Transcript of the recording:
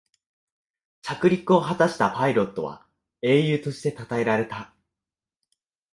着陸を果たしたパイロットは英雄としてたたえられた